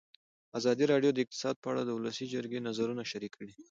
ازادي راډیو د اقتصاد په اړه د ولسي جرګې نظرونه شریک کړي.